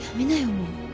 もう。